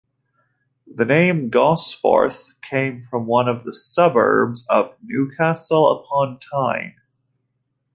The name Gosforth came from one of the suburbs of Newcastle upon Tyne.